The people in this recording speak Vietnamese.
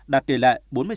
đạt tỷ lệ bốn mươi sáu bảy